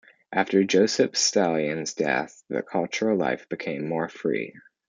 After Joseph Stalin's death the cultural life became more free.